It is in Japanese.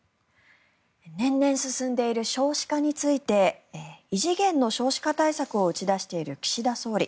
年々進んでいる少子化について異次元の少子化対策を打ち出している岸田総理。